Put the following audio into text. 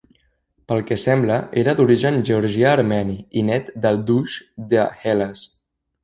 Pel que sembla era d'origen georgià-armeni i net del "doux" de Hellas.